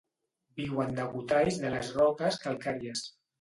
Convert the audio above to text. Viu en degotalls de les roques calcàries.